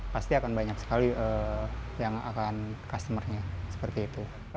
pasti akan banyak sekali yang akan customer nya seperti itu